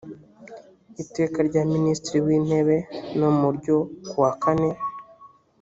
iteka rya minisitiri w intebe no ryo ku wa kane